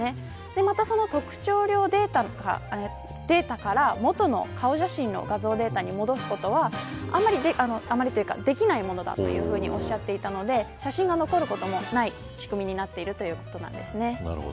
また、その特徴量データから元の顔写真の画像データに戻すことはできないものだというふうにおっしゃっていたので写真が残ることもない仕組みになっているということなんですね。